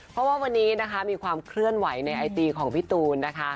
เพราะว่าวันนี้นะคะมีความเคลื่อนไหวในไอจีของพี่ตูนนะคะ